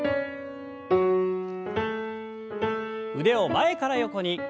腕を前から横に。